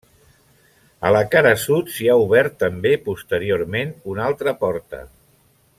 A la cara sud, s'hi ha obert també posteriorment una altra porta.